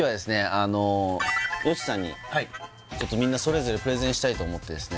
あのＹＯＳＨＩＫＩさんにみんなそれぞれプレゼンしたいと思ってですね